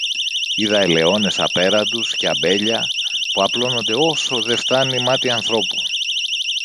είδα ελαιώνες απέραντους και αμπέλια, που απλώνονται όσο δε φθάνει μάτι ανθρώπου.